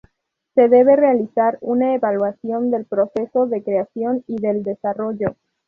Se debe realizar una evaluación del proceso de creación y del desarrollo.